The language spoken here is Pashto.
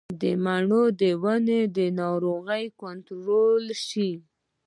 د مڼو د ونو ناروغي کنټرول شوه؟